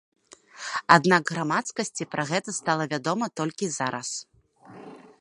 Аднак грамадскасці пра гэта стала вядома толькі зараз.